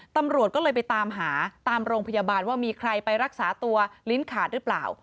ตำรวจก็เลยไปตามหาตามโรงพยาบาลว่ามีใครไปรักษาตัวลิ้นขาดหรือเปล่า